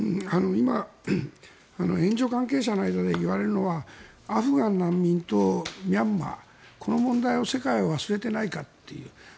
今、援助関係者の間でいわれるのはアフガン難民とミャンマーこの問題を世界は忘れてないかという。